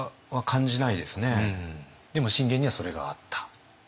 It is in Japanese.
でも信玄にはそれがあった。